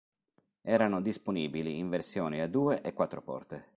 Erano disponibili in versione a due e quattro porte.